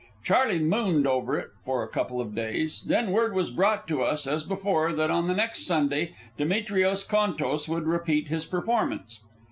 Charley mooned over it for a couple of days; then word was brought to us, as before, that on the next Sunday Demetrios Contos would repeat his performance.